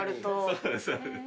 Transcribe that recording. そうですそうです。